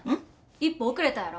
１歩遅れたやろ。